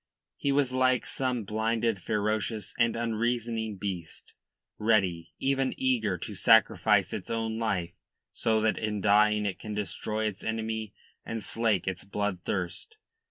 He was like some blinded, ferocious and unreasoning beast, ready, even eager, to sacrifice its own life so that in dying it can destroy its enemy and slake its blood thirst.